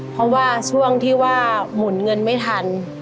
เพราะว่าช่วงที่ว่าหมุนเงินไม่ทัน